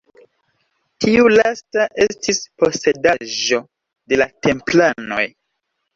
Tiu lasta estis posedaĵo de la Templanoj.